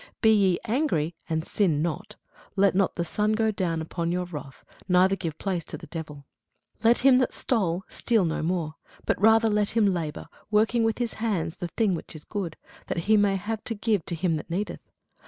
Be ye angry, and sin not: let not the sun go down upon your wrath: neither give place to the devil. Let him that stole steal no more: but rather let him labour, working with his hands the thing which is good, that he may have to give to him that needeth.